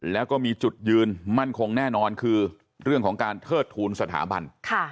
แล้วก็มีจุดยืนมั่นคงแน่นอนคือเรื่องของการเทิดทูลสถาบัน